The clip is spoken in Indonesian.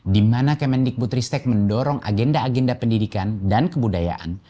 di mana kemendikbud ristek mendorong agenda agenda pendidikan dan kebudayaan